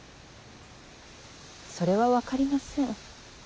それは分かりません。